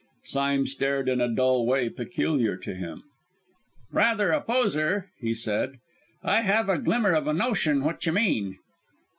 Sime stared in a dull way peculiar to him. "Rather a poser," he said. "I have a glimmer of a notion what you mean."